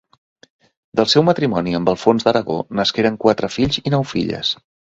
Del seu matrimoni amb Alfons d’Aragó nasqueren quatre fills i nou filles.